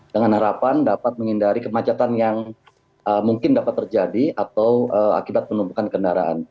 dengan harapan dapat menghindari kemacetan yang mungkin dapat terjadi atau akibat penumpukan kendaraan